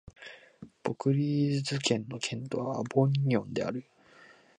ヴォクリューズ県の県都はアヴィニョンである